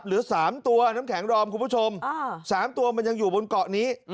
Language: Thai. หรือสามตัวน้ำแข็งดอมคุณผู้ชมสามตัวมันอยู่บนเกาะนี้